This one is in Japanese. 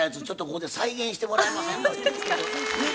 ちょっとここで再現してもらえません？